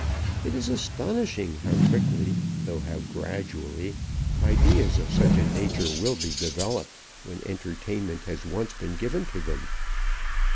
It is astonishing how quickly, though how gradually, ideas of such a nature will be developed when entertainment has once been given to them.